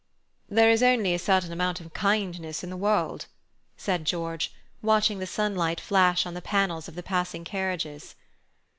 "There is only a certain amount of kindness in the world," said George, watching the sunlight flash on the panels of the passing carriages.